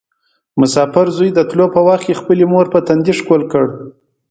مسافر زوی د تلو په وخت کې خپلې مور په تندي ښکل کړ.